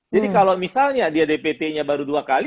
jadi kalau misalnya dia dpt nya baru dua kali